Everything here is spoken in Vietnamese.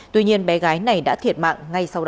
tuy nhiên bé gái này đã thiệt mạng ngay sau đó